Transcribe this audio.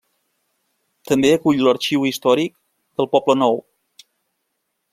També acull l'Arxiu Històric del Poblenou.